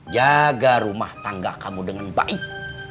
jaga rumah tangga kamu dengan baik